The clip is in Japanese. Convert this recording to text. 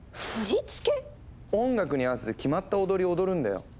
音楽に合わせて決まった踊りを踊るんだよ。